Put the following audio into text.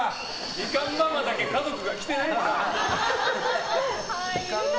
みかんママだけ家族が来てないんだ。